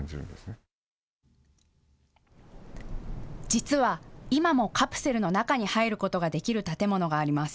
実は今もカプセルの中に入ることができる建物があります。